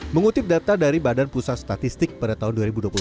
mengutip data dari badan pusat statistik pada tahun dua ribu dua puluh satu